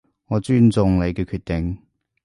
我尊重你嘅決定